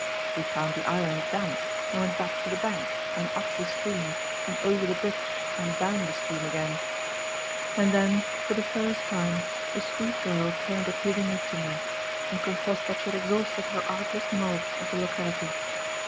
We found the island damp, and went back to the bank, and up the stream, and over the bridge, and down the stream again; and then, for the first time, the sweet girl turned appealingly to me, and confessed that she had exhausted her artless knowledge of the locality.